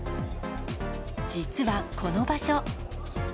実は、この場所。